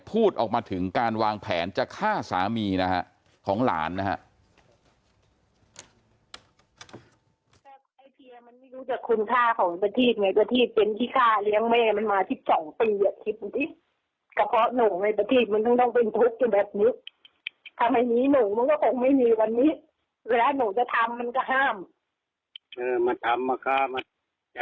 พูดออกมาถึงการวางแผนจะฆ่าสามีนะฮะของหลานนะฮะ